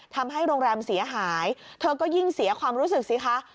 ทำให้โรงแรมเสียหายเธอก็ยิ่งเสียความรู้สึกสิคะ